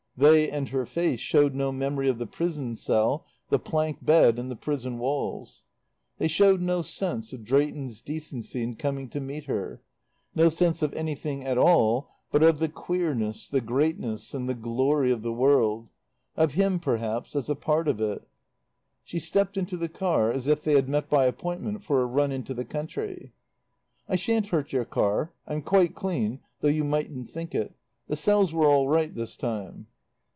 They and her face showed no memory of the prison cell, the plank bed, and the prison walls; they showed no sense of Drayton's decency in coming to meet her, no sense of anything at all but of the queerness, the greatness and the glory of the world of him, perhaps, as a part of it. She stepped into the car as if they had met by appointment for a run into the country. "I shan't hurt your car. I'm quite clean, though you mightn't think it. The cells were all right this time."